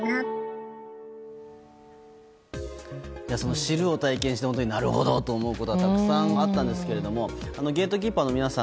知るを体験してなるほどと思うことはたくさんあったんですけどゲートキーパーの皆さん